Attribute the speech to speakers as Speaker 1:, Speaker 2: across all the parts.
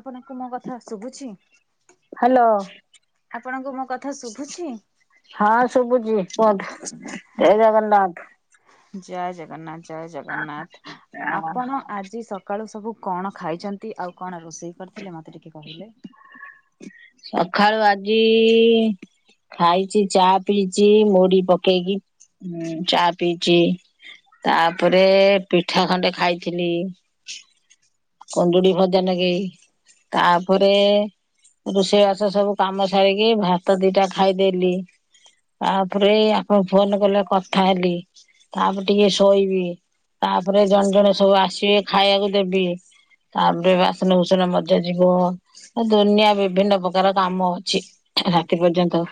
Speaker 1: ଆପଣଙ୍କୁ ମୋ କଥା ଶୁଭୁଛି?
Speaker 2: ହ୍ୟାଲୋ।
Speaker 1: ଆପଣଙ୍କୁ ମୋ କଥା ଶୁଭୁଛି?
Speaker 2: ହଁ ଶୁଭୁଛି କୁହନ୍ତୁ ଜୟ ଜଗନ୍ନାଥ?
Speaker 1: ଜୟ ଜଗନ୍ନାଥ ଜୟ ଜଗନ୍ନାଥ
Speaker 2: ଆ
Speaker 1: ଆପଣ ଆଜି ସ ସକାଳୁ ସବୁ କଣ ଖାଇଛନ୍ତି ଆଉ କଣ ରୋଷେଇ କରିଥିଲେ ମତେ ଟିକେ କହିଲେ?
Speaker 2: ସଖାଳୁ ଆଜି ଇ ଖାଇଛି ଚା ପିଇଛି ମୁଢ଼ି ପକେଇକି ଚା ପିଇଛି। ତାପରେ ପିଠା ଖଣ୍ଡେ ଖାଇଥିଲି। କୁନ୍ଦୁଡି ଭଜା ନଗେଇ ତାପରେ ରୁଷେଇବାସ ସବୁ କାମ ସାରିକି ଭାତ ଦିଟା ଖାଇଦେଲି। ଆପରେ ଆପଣ ଫୋନ କଲେ କଥା ହେଲି। ତାପରେ ଟିକେ ଶୋଇବି ତାପରେ ଜଣେ ଜଣେ ସବୁ ଆସିବେ ଖାଇବାକୁ ଦେବି। ତାପରେ ବାସନ କୁସନ ମଜା ଯିବ। ଦୁନିଆ ବିଭିନ୍ନ ପ୍ରକାର କାମ ଅଛି ରାତି ପର୍ଯ୍ୟନ୍ତ।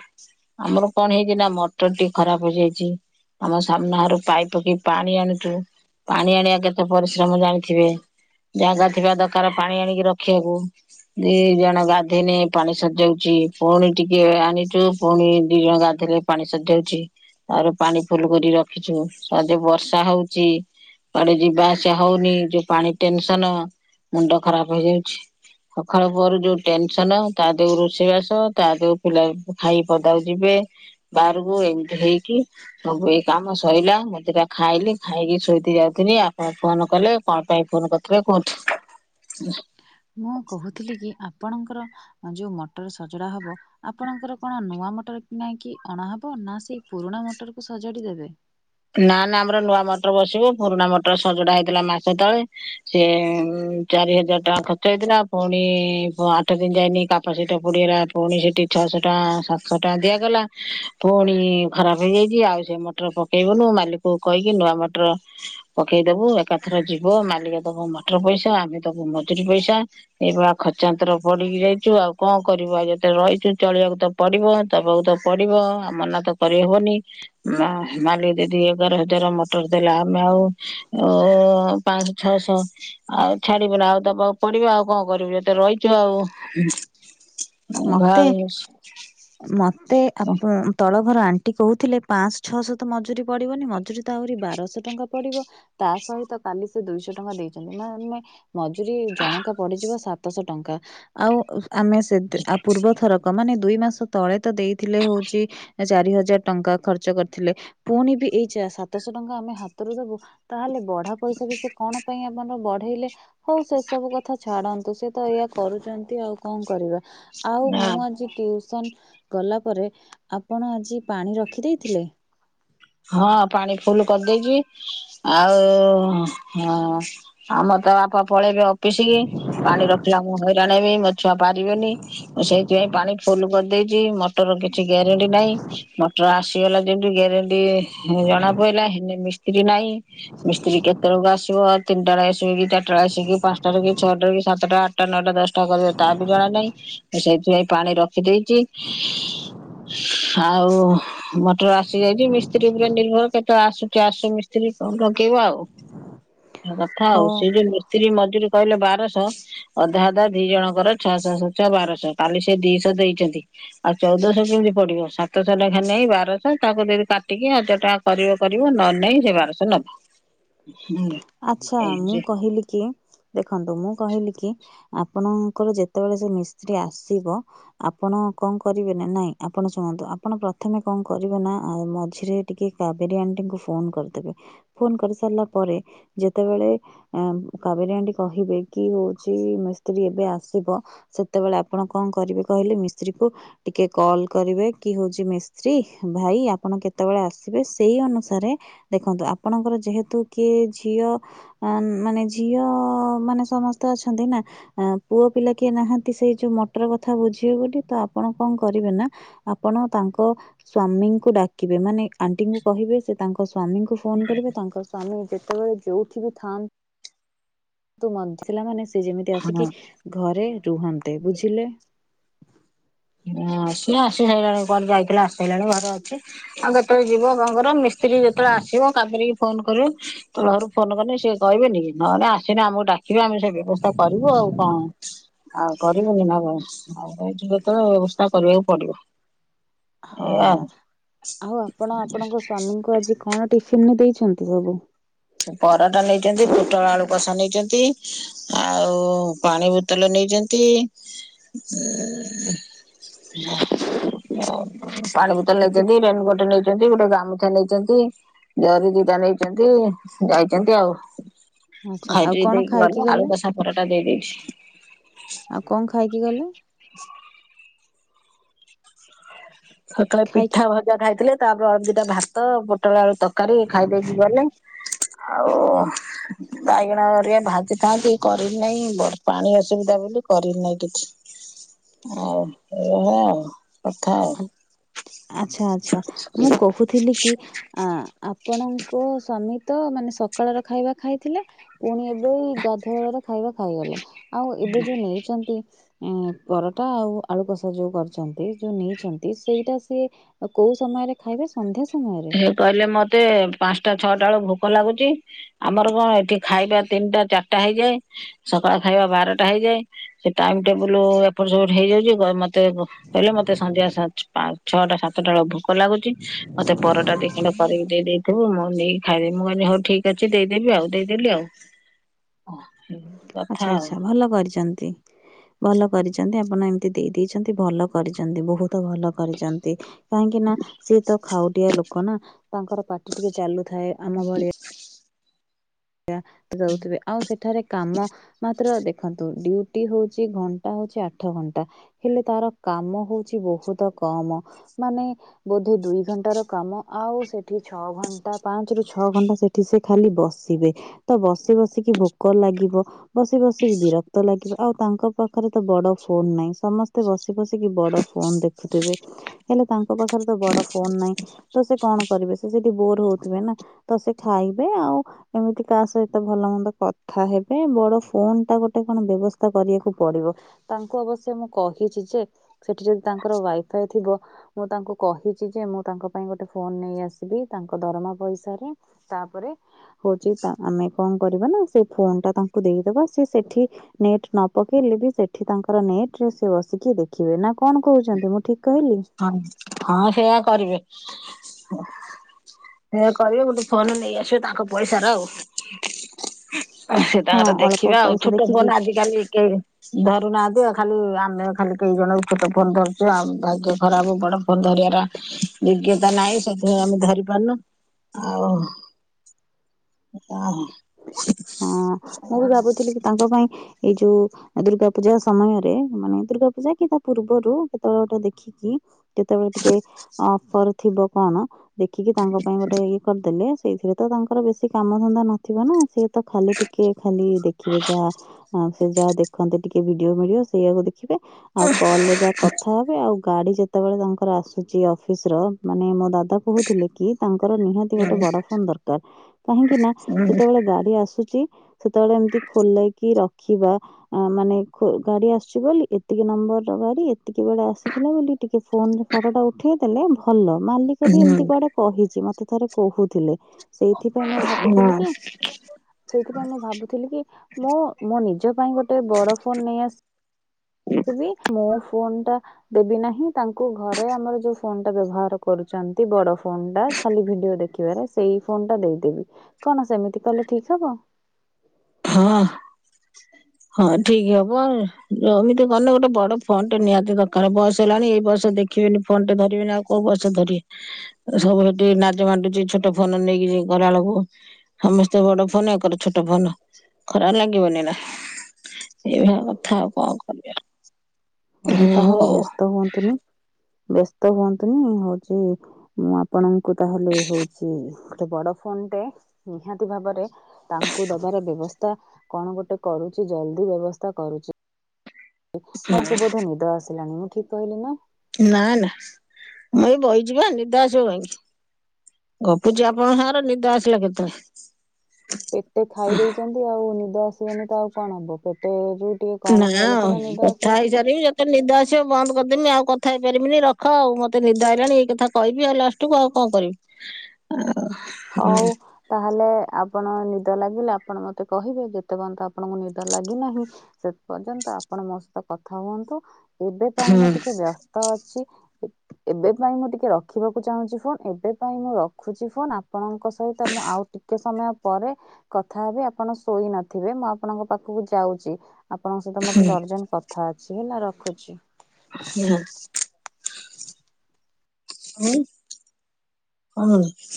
Speaker 2: ଆମର କଣ ହେଇଛି ନା ମଟର ଟି ଖରାପ ହୋଇଯାଇଛି। ଆମ ସାମ୍ନାଘରୁ ପାଇପ ପକେଇ ପାଣି ଆଣୁଛୁ ପାଣି ଆଣିବା କେତେ ପରିଶ୍ରମ ଜାଣିଥିବେ। ଜାଗା ଥିବା ଦରକାର ପାଣି ଆଣିକି ରଖିବାକୁ। ଦି ଜଣ ଗାଧେଇନେ ପାଣି ସରିଜାଉଛି ପୁଣି ଟିକେ ଆଣିଛୁ ପୁଣି ଦି ଜଣ ଗାଧେଇଲେ ପାଣି ସରିଜାଉଛି ତାପରେ ପାଣି ଫୁଲ କରି ରଖିଛୁ ତାଦେ ବର୍ଷା ହଉଛି। କୁଆଡେ ଯିବା ଆସିବା ହଉନି ଯୋଉ ପାଣି ଟେନସନ ମୁଣ୍ଡ ଖରାପ ହେଇଯାଉଛି। ସକାଳୁ ପହରୁ ଯୋଉ ଟେନସନ ତା ଦେଉ ରୋଷେଇବାସ ତା ଦେଉ ପିଲା ଖାଇକି ପଦାକୁ ଯିବେ ବାହାରକୁ ଏମିତି ହେଇକି ସବୁ ଏଇ କାମ ସଇଲା ମୁଁ ଦିଟା ଖାଇଲି ଖାଇକି ଶୋଇତେ ଯାଉଥିଲି ଆପଣ ଫୋନ କଲେ କଣ ପାଇଁ ଫୋନ କରି ଥିଲେ କୁହନ୍ତୁ?
Speaker 1: ମୁଁ କହୁଥିଲି କି ଆପଣଙ୍କର ଯୋଉ ମଟର ସଜଡା ହବ ଆପଣଙ୍କର କଣ ନୂଆ ମଟର କିଣାହେଇ କି ଅଣାହବ ନା ସେଇ ପୁରୁଣା ମଟରକୁ ସଜାଡ଼ି ଦେବେ?
Speaker 2: ନା ନା ଆମର ନୂଆ ମଟର ବସିବ ପୁରୁଣା ମଟର ସଜଡା ହେଇଥିଲା ମାସେ ତଳେ। ସିଏ ଚାରି ହଜାର ଟଙ୍କା ଖର୍ଚ୍ଚ ହେଇଥିଲା ପୁଣି ଆଠ ଦିନି ଯାଇନି କାପାସିଟର ପୋଡିଗଲା ପୁଣି ସେଠି ଛଅଶହ ଟଙ୍କା ସାତଶହ ଟଙ୍କା ଦିଆଗଲା। ପୁଣି ଖରାପ ହେଇଯାଇଛି ଆଉ ସେ ମଟର ପକେଇବନୁ ମାଲିକକୁ କହିକି ନୂଆ ମଟର ପକେଇଦବୁ ଏକାଥରେ ଯିବ ମାଲିକ ଦବ ମଟର ପଇସା ଆମେ ଦବୁ ମଜୁରୀ ପଇସା ଏଇଭଳିଆ ଖର୍ଚାନ୍ତର ପଡିକି ଯାଇଛୁ ଆଉ କଣ କରିବୁ ଆଉ ଯେତେଳେ ରହିଛୁ ଚଳିବାକୁ ତ ପଡିବ ଦବାକୁତ ପଡିବ ମନା ତ କରିହବନି ମାଲିକ ଜଦି ଏଗାର ହଜାର ମଟର ଦେଲା ଆମେ ଆଉ ପାଞ୍ଚ ଛଅଶହ ଆଉ ଛାଡିବୁନା ଆଉ ଦବାକୁ ପଡିବ ଆଉ କଣ କରିବୁ ଯେତେଳେ ରହିଛୁ ଆଉ। ହୁଁ ହୁଁ।
Speaker 1: ମତେ ମତେ ଆପ ତଳ ଘର ଆଣ୍ଟି କହୁଥିଲେ ପାଞ୍ଚଶହ ଛଅଶହ ତ ମଜୁରୀ ପଡିବନି ମଜୁରୀ ତ ଆହୁରି ବାରଶହ ଟଙ୍କା ପଡିବ ତା ସହିତ କାଲି ସେ ଦୁଇଶହ ଟଙ୍କା ଦେଇଛନ୍ତି ମା ଆମେ ମଜୁରୀ ଜଣକା ପଡିଯିବ ସାତଶହ ଟଙ୍କା ଆଉ ଆମେ ସେ ଆ ପୂର୍ବଥରକ ମାନେ ଦୁଇ ମାସ ତଳେ ତ ଦେଇଥିଲେ ହଉଛି ଚାରି ହଜାର ଟଙ୍କା ଖର୍ଚ୍ଚ କରିଥିଲେ ପୁଣି ବି ଏଇ ସାତଶହ ଟଙ୍କା ଆମେ ହାତରୁ ଦବୁ ତାହେଲେ ବଢା ପଇସା ବି ସେ କଣ ପାଇଁ ଆମର ବଢେଇଲେ ହଉ ସେ ସବୁ କଥା ଛାଡନ୍ତୁ ସେ ତ ଏଇଆ କରୁଛନ୍ତି ଆଉ କଣ କରିବା ଆଉ ମୁଁ ଆଜି ଟିଉସନ ଗଲା ପରେ ଆପଣ ଆଜି ପାଣି ରଖିଦେଇଥିଲେ?
Speaker 2: ହଁ ପାଣି ଫୁଲ କରିଦେଇଛି, ଆଉ ହଁ ଆମର ତ ବାପା ପଳେଇବେ ଅଫିସ କି ପାଣି ରଖିଲା ମୁଁ ହଇରାଣ ହେବି ମୋ ଛୁଆ ପାରିବେନି। ସେଇଥିପାଇଁ ପାଣି ଫୁଲ କରିଦେଇଛି। ମଟର ର କିଛି ଗ୍ୟାରେଣ୍ଟି ନାହିଁ। ମଟର ଆସିଗଲା ଯେମତି ଗରେଣ ଜଣା ପଡିଲା ହେଲେ ମିସ୍ତ୍ରୀ ନାହିଁ, ମିସ୍ତ୍ରୀ କେତେବେଳକୁ ଆସିବ ତିନିଟା ଆସିକି ଚାରିଟା ଆସିକି, ପାଞ୍ଚଟାରେ କି, ଛଅଟାରେ କି, ସାତଟା ଆଠଟା, ନଅଟା, ଦଶଟା କରିବ ତାହା ବି ଜଣା ନାହିଁ। ସେଇଥିପାଇଁ ପାଣି ରଖି ଦେଇଛି। ଆଉ, ମଟର ଆସି ଯାଇଛି। ମିସ୍ତ୍ରୀ ଉପରେ ନିର୍ଭର କେତେ ଆସୁଛି ଆସୁ ମିସ୍ତ୍ରୀ କଣ ଲାଗେଇବ ଆଉ। କଥା ଆଉ,
Speaker 1: ହଁ
Speaker 2: ସେ ଯୋଉ ମିସ୍ତ୍ରୀ ମଜୁରୀ କହିଲେ ବାରଶହ। ଅଧା ଅଧା ଦି ଜଣଙ୍କର ଛଅଶହହ ଛଅ ବାରଶହ। କାଲି ସେ ଦିଶହ ଦେଇଛନ୍ତି। ଆଉ ଚଉଦଶହ କେମିତି ପଡିବ ସାତଶହ ଲେଖା ନେଇାଇଁ ବାରଶହ, ତାକୁ ଯଦି ଟିକେ ହଜ଼ାର ଟଙ୍କା କରିବ କରିବ ନାଁ ନାଇଁ ନହେଲେ ସେ ବାରସ ନବ।
Speaker 1: ଆଚ୍ଛା
Speaker 2: ଏଇ
Speaker 1: ମୁଁ
Speaker 2: ଯେ
Speaker 1: କହିଲି କି ଦେଖନ୍ତୁ ମୁଁ କହିଲି କି ଆପଣଙ୍କର ଯେତେବେଳେ ସେ ମିସ୍ତ୍ରୀ ଆସିବ ଆପଣ କଣ କରିବେ ନା ନାଇଁ, ଆପଣ ଶୁଣନ୍ତୁ ଆପଣ ପ୍ରଥମେ କଣ କରିବେ ନା ମଝିରେ ଟିକେ କାବେରୀ ଆଣ୍ଟିଙ୍କୁ ଫୋନ କରିଦେବେ, ଫୋନ କରିସାରିଲା ପରେ। ଯେତେବେଳେ କାବେରି ଆଣ୍ଡି କହିବେ କି ହଉଛି ମିସ୍ତ୍ରୀ ଏବେ ଆସିବ। ସେତେବେଳେ ଆପଣ କଣ କରିବେ କହିଲେ ମିସ୍ତ୍ରୀ କୁ ଟିକେ କଲ କରିବେ କି ହଉଛି ମିସ୍ତ୍ରୀ ଭାଇ ଆପଣ କେତେବେଳେ ଆସିବେ? ସେଇ ଅନୁସାରେ ଦେଖନ୍ତୁ ଆପଣଙ୍କର ଯେହେତୁ କିଏ ଝିଅ ଅ ମାନେ ଝିଅ ମାନେ ସମସ୍ତେ ଅଛନ୍ତି ନା। ଆ ପୁଅ ପିଲା କିଏ ନାହାନ୍ତି ସେଇ ଯୋଉ ମଟର କଥା ବୁଝିବେବୋଲି, ଗୋଟେ ତ ଆପଣ କଣ କରିବେ ନା ଆପଣ ତାଙ୍କ ସ୍ଵାମୀଙ୍କୁ ଡାକିବେ ମାନେ, ଆଣ୍ଟିଙ୍କୁ କହିବେ ସେ ତାଙ୍କ ସ୍ଵାମୀଙ୍କୁ ଫୋନ କରିବେ, ତାଙ୍କ ସ୍ଵାମୀ ସେତେବେଳେ ଯୋଉଠି ବି ଥାନ୍ତ, ବଞ୍ଚିଲା ମାନେ ସେ ଯେମିତି
Speaker 2: ହଁ
Speaker 1: ଆସିକି ଘରେ ରୁହନ୍ତେ ବୁଝିଲେ।
Speaker 2: ସିଏ ଆସି ସାରିଲାଣି କୁଆଡ଼େ ଯାଇଥିଲା ଆସି ସାରିଲଣି ଘରେ ଅଛି। ଆଉ କେତେବେଳେ ଯିବ କଣଙ୍କର ମିସ୍ତ୍ରୀ ଯେତେବେଳେ ଆସିବ କାପରେିକି ଫୋନ କରୁ ତ ଘରୁ ଫୋନ କଲେ ସେଏ କହିବେନି ନହେଲେ ଆସକି ଆମକୁ ଡାକିବେ ଆମେ ସେ ବ୍ୟବସ୍ଥା କରିବୁ ଆଉ କଣ? ଆଉ କରିବନି ନା କଣ, ଆଉ ରହିଛୁ ଯେତେବେଳେ ସେ ବ୍ୟବସ୍ଥା କରିବାକୁ ପଡିବ।
Speaker 1: ହଁ
Speaker 2: ଏଇଆ ଆଉ।
Speaker 1: ଆଉ ଆପଣ ଆପଣଙ୍କ ସ୍ଵାମୀଙ୍କୁ ଆଜି କଣ ଟିଫିନ ଦେଇଛନ୍ତି ସବୁ?
Speaker 2: ପରଟା ନେଇଛନ୍ତି, ପୋଟଳ ଆଳୁ କଷା ନେଇଛନ୍ତି। ଆଉ ପାଣି ବୋତଲ ନେଇଛନ୍ତି। ଉ [unintelligible] ପାଣିପତ୍ର
Speaker 1: ଏତିକି
Speaker 2: ନେଇଛନ୍ତି, ରେନି କୋଟ ନେଇ ଗୋଟେ ଗାମୁଛା ନେଇଛନ୍ତି, ଜରି ଦିଟା ନେଇଛନ୍ତି। ଯାଇଛନ୍ତି ଆଉ
Speaker 1: ଆଚ୍ଛା
Speaker 2: ଖାଇ
Speaker 1: ଆଉ
Speaker 2: ପି
Speaker 1: କଣ
Speaker 2: ଦେଇକି
Speaker 1: ଖାଇକି
Speaker 2: ଗଲେ ଆଳୁ କଷା ପରଟା ଦେଇ ଦେଇଛି।
Speaker 1: ଆଉ କଣ ଖାଇକି ଗଲେ?
Speaker 2: [inaudible] ସକାଳେ
Speaker 1: ଖାଇକି
Speaker 2: ପିଠା ଭଜ ଖାଇଥିଲେ ତାପରେ ହଉଛି ତ ଦିଟା ଭାତ ପୋଟଳ ଆଳୁ ତରକାରୀ ଖାଇଦେଇକି ଗଲେ ଆଉ ବାଇଗଣ ହେରିକା ଭାଜି ଥାନ୍ତି, କରି ନାହିଁ ପାଣି ଅସୁବିଧା ବୋଲି କରି ନାହିଁ କିଛି।
Speaker 1: [inaudible]
Speaker 2: ଆ ଏଭଳିଆ ଆଉ କଥା ଆଉ।
Speaker 1: ଆଛା ଆଚ୍ଛା ମୁଁ କହୁଥିଲି କି ଅ ଆପଣଙ୍କ ଶ୍ୱ ସ୍ୱାମୀ ତ, ମାନେ ସକାଳ ର ଖାଇବା ଖାଇଥିଲେ। ପୁଣି ଏବେ ଗାଧୁଆ ବେଳାର ଖାଇବା ଖାଇଗଲେ ଆଉ ଏବେ ଯୋଉ ନେଇଛନ୍ତି ଏ ପରଟା ଆଉ ଆଳୁ କଷା ଯୋଉ କରିଛନ୍ତି ଯୋଉ ନେଇ ସେଇଟା ସିଏ କୋଉ ସମୟରେ ଖାଇବେ, ସନ୍ଧ୍ୟା ସମୟରେ?
Speaker 2: ସେ କହିଲେ ମତେ ପାଞ୍ଚଟା ଛଅଟା ବେଳୁ ଭୋକ ଲାଗୁଛି। ଆମର କଣ ଏଠି ଖାଇବା ତିନିଟା ଚାରିଟା ହେଇଯାଏ ସକାଳ ଖାଇବା ବାରଟା ହେଇଯାଏ। ସେ ଟାଇମ ଟେବୁଲ ଏପଟ ସପଟ ହେଇଯାଉଛି ମତେ କହିଲ ମତେ ସନ୍ଧ୍ୟା ଛଅଟା ସାତଟା ବେଳକୁ ଭୋକ ଲାଗୁଛି ମତେ ପରଟା ଦୁଇ ତିନଟା କରିକି ଦେଇଥିବୁ ମୁଁ ନେଇକି ଖାଇଦେବି ମୁଁ କହିଲି ହଉ ଠିକ ଅଛି ଦେଇଦେବି ଆଉ ଦେଇଦେଲି ଆଉ
Speaker 1: [inaudible]
Speaker 2: [inaudible]
Speaker 1: ଆଛା
Speaker 2: ଆଉ
Speaker 1: ଆଚ୍ଛା ଭଲ କରିଛନ୍ତି ଭଲ କରିଛନ୍ତି ଆପଣ ଏମତି ଦେଇ ଦେଇଛନ୍ତି ଭଲ କରିଛନ୍ତି ବହୁତ। ଭଲ କରିଛନ୍ତି କାହିଁକି ନା ସିଏ ତ ଖାଉଟିଆ ଲୋକ ନା ତାଙ୍କର ପା ଟିକେ ଚାଲୁଥାଏ ଆମ ଭଳିଆ। ରଉଥିବେ ଆଉ ସେଠାରେ କାମ ମାତ୍ର ଦେଖନ୍ତୁ ଡ୍ୟୁଟି ହଉଛି ଘଣ୍ଟା ହଉଛି ଆଠ ଘଣ୍ଟା। ହେଲେ ତାର କାମ ହଉଛି ବହୁତ କମ୍ ମାନେ ବୋଧେ ଦୁଇ ଘଣ୍ଟାର କାମ ଆଉ ସେଠି ଛଅ ଘଣ୍ଟା ପାଞ୍ଚରୁ ଛଅ ଘଣ୍ଟା ସେଠି ସେ ଖାଲି ବସିବେ। ତ ବସି ବସିକି ଭୋକ ଲାଗିବ ବସି ବସିକି ବିରକ୍ତ ଲାଗିବ ଆଉ ତାଙ୍କ ପାଖରେ ତ ବଡ ଫୋନ ନାହିଁ ସମସ୍ତେ ବସି ବସିକି ବଡ ଫୋନ ଦେଖୁଥିବେ ହେଲେ ତାଙ୍କ ପାଖରେ ତ ବଡ ଫୋନ ନାହିଁ। ତ ସେ କଣ କରିବେ ସେ ସେଠି ବୋର ହଉଥିବେ ନା ତ ସେ ଖାଇବେ ଆଉ ଏମିତି କାହା ସହିତ ଭଲ ମନ୍ଦ କଥା ହେବେ ବଡ ଫୋନ ଟା ଗୋଟେ କଣ ବ୍ୟବସ୍ଥା କରିବାକୁ ପଡିବ ତାଙ୍କୁ ଅବଶ୍ୟ ମୁଁ କହିଛି ଯେ ସେଠି ଯଦି ତାଙ୍କର ୱାଇଫାଇ ଥିବ ମୁଁ ତାଙ୍କୁ କହିଛି ଯେ ମୁଁ ତାଙ୍କ ପାଇଁ ଗୋଟେ ଫୋନ ନେଇ ଆସିବି ତାଙ୍କ ଦରମା ପଇସାରେ। ତାପରେ ହଉଛି ତା ଆମେ କଣ କରିବା ନା ସେ ଫୋନ ଟା ତାଙ୍କୁ ଦେଇଦବା ସେ ସେଠି ନେଟ ନ ପକେଇଲେ ବି ସେଠି ତାଙ୍କର ନେଟ ରେ ସେ ବସିକି ଦେଖିବେ ନା କଣ କହୁଛନ୍ତି ମୁଁ ଠିକ କହିଲି?
Speaker 2: ହଁ, ହଁ ସେଇୟା କରିବେ। ହେ କରିବେ ଗୋଟେ ଫୋନ ନେଇ ଆସିବ ତାଙ୍କ ପଇସାର ଆଉ। ସେ
Speaker 1: ହଁ
Speaker 2: ତାଙ୍କର
Speaker 1: ଅଳ୍ପ
Speaker 2: ଦେଖିବା ଆଉ
Speaker 1: ପଇସା
Speaker 2: ଛୋଟ ଫୋନ
Speaker 1: ଦେଖିକି
Speaker 2: ଆଜିିକାଲି କେ ଧରୁନାହାନ୍ତି ଖାଲି ଆମେ ଖାଲି କେଇ ଜଣ ଛୋଟ ଫୋନ ଧରୁଛୁ ଆ ଭାଗ୍ୟ ଖରାପ ବଡ ଫୋନ ଧରିବାର ଯୋଗ୍ୟତା ନାହିଁ ସେଥିପାଇଁ ଆମେ ଧରି ପାରୁନୁ। ଆଉ ଓହୋ
Speaker 1: ହଁ ମୁଁ ବି ଭାବୁଥିଲି କି ତାଙ୍କ ପାଇଁ ଏଇ ଯୋଉ ଦୁର୍ଗା ପୂଜା ସମୟରେ ମାନେ ଦୁର୍ଗା ପୂଜା କି ତା ପୂର୍ବରୁ କେତେବେଳେ ଗୋଟେ ଦେଖିକି କେତେବେଳେ ଟିକେ ଅଫର ଥିବ କଣ? ଦେଖିକି ତାଙ୍କ ପାଇଁ ଗୋଟେ ଇଏ କରିଦେଲେ ସେଇଥିରେ ତ ତାଙ୍କର ବେଶି କାମ ଧନ୍ଦା ନଥିବ ନା ସେ ତ ଖାଲି ଟିକେ ଖାଲି ଦେଖିବେ ଯାହା ସେ ଯାହା ଦେଖନ୍ତି ଟିକେ ଭିଡିଓ ଭଡିଓ ସେଇଆାକୁ ଦେ ଖିବେ, ଆଉ କଲରେ ଯାହା କଥା ହେବେ ଆଉ ଗାଡି ଯେତେବେଳେ ତାଙ୍କର ଆସୁଛି ଅଫିସ ର ମାନେ ମୋ ଦାଦା କହୁଥିଲେ କି ତାଙ୍କର ନିହାତି ଗୋଟେ ବଡ ଫୋନ ଦରକାର କାହିଁକି ନା ଯେତେବେଳେ ଗାଡି ଆସୁଛି। ସେତେବେଳେ ଏମିତି ଖୋଲେଇକି ରଖିବା। ଆ ମାନେ ଖୁ ଗାଡି ଆସିୁଛି ବୋଲି ଏତିକି ନମ୍ବର ର ଗାଡି ଏତିକି ବେଳେ ଆସିଥିଲା ବୋଲି। ଟିକେ ଫୋନ ରେ ଫଟୋଟା ଉଠେଇ। ଦେଲେ ଭଲ ମାଲିକ ବି ଏମିତି କୁଆଡେ କହିଛି ମତେ ଥରେ କହୁଥିଲେ। ସେଇଥିପାଇଁ ମୁଁ ଭାବୁଥିଲି କି। ସେଇଥିପାଇଁ ମୁଁ ଭାବୁଥିଲି କି ମୁଁ ମୋ ନିଜ ପାଇଁ ଗୋଟେ ବଡ ଫୋନ ନେଇ ଆସି। ଥିବି, ମୁଁ ଫୋନ ଟା ଦେବି ନାହିଁ ତାଙ୍କୁ ଘରେ ଆମର ଯଉ। ଫୋନଟା ବ୍ୟବହାର କରୁଛନ୍ତି ବଡ଼ ଫୋନ ଟା ଖାଲି ଭିଡିଓ ଦେଖିବାରେ ସେଇ ଫୋନଟା ଦେଇଦେବି। କଣ ସେମିତି କଲେ ଠିକ୍ ହବ?
Speaker 2: ହଁ
Speaker 1: [inaudible]
Speaker 2: ହଁ ଠିକ୍ ହବ ଜମି ଟେ ଗୋନେ ବଡ ଫୋନ ଟେ ନିହାତି ଦରକାର ବୟସ ହେଲାଣି ଏଇ ବୟସ ଦେଖ। କ୍ଯୁନୀ ଫୋନ୍ ଟେ ଧରିବିନି ଆଉ କୋଉ ବୟସେ ଧରିବେ। ସବୁ ସେଠି ନାଜ ବାଣ୍ଟୁଚି ଛୋଟ ଫୋନ ନେଇକି ଗରାବେଳକୁ। ସମିସ୍ତେ ବଡ ଫୋନ୍ ଏଙ୍କର ଛୋଟ ଫୋନ୍। ଖରା ଲାଗିବନି ନା ଏଇଭଳି କଥା ଆଉ କଣ କରିବ।
Speaker 1: ହଉ ତାହେଲେ ବ୍ୟସ୍ତ ହୁଅନ୍ତୁନି ବ୍ୟସ୍ତ ହୁଅନ୍ତୁନି ହଉଛି। ମୁଁ ଆପଣଙ୍କୁ ତାହଲେ ହଉଚି ଗୋଟେ ବଡ ଫୋନ ଟେ ନିହାତି ଭାବରେ। ତାଙ୍କୁ ଦବାରେ ବ୍ୟବସ୍ଥା କଣ ଗୋଟେ କରୁଛି ଜଲ୍ଦି ବ୍ୟବସ୍ଥା କରୁଛି। ତାଙ୍କୁ ବୋଧ ନିଦ ଆସିଲାଣି ମୁଁ ଠିକ୍‌ କହିଲି ନାଁ।
Speaker 2: ନାଁ ନାଁ ମୁଇ ଏ ବଇଯି ବା ନିଦ ଆସିବ କାହିଁକି। ଗପୁଛି ଆପଣଙ୍କ ସାଙ୍ଗରେ ନିଦ ଆସିଲା କେତେଳେ।
Speaker 1: ପେଟେ ଖାଇ ଦେଇେଛନ୍ତି ଆଉ, ନିଦ ଆସିବନି ତ ଆଉ କଣ ହବ ପେଟେ ଯୋଉ
Speaker 2: ନା କଥା ହେଇସାରିବି। ତେ ନିଦ ଆସିବ ବନ୍ଦ କରିଦେମି ଆଉ କଥା ହେଇପାରିବିନି ରଖ ଆଉ ମତେ ନିଦ ହେଇଲାଣି ଏଇ କଥା କହିବି ଆଉ ଲାଷ୍ଟ କୁ। ଠୁ କଣ କରିବି ଆଉ। ହୁଁ
Speaker 1: ହୋଉ। ତାହେଲେ ଆପଣ ନିଦ ଲାଗିଲେ ଆପଣ ମତେ କହିବେ ଯେତେ ପର୍ଯ୍ୟନ୍ତ ଆପଣଙ୍କୁ ନିଦ ଲାଗିନାହିଁ। ସେ ପର୍ଯ୍ୟନ୍ତ ଆପଣ ମୋ ସହିତ କଥା ହୁଅନ୍ତୁ ଏବେ ପାଇଁ ମୁଁ
Speaker 2: ହୁଁ
Speaker 1: ଟିକେ ବ୍ୟସ୍ତ ତ ଅଛି ଏବେ ପାଇଁ ମୁଁ ଟିକେ ରଖିବାକୁ ଚାହୁଁଛି ଫୋନ ଏବେ ପାଇଁ ମୁଁ ରଖୁଛି ଫୋନ। ଆପଣଙ୍କ ସହିତ ମୁଁ ଆଉ ଟିକେ ସମୟ ପରେ କଥା ହେବି ଆପଣ ଶୋଇ ନଥିବେ ମୁଁ ଆପଣଙ୍କ ପାଖକୁ ଯାଉଛି। ଆପଣଙ୍କ ସହିତ ମୋର ଟିକେ ଅର୍ଜେଣ୍ଟ କଥା ଅଛି ହେଲା ରଖୁଛି।
Speaker 2: ହୁଁ। ହୁଁ କମୁନି।